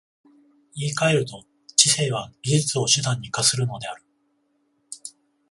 言い換えると、知性は技術を手段に化するのである。